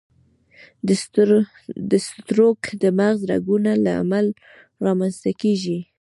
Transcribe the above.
د سټروک د مغز رګونو له امله رامنځته کېږي.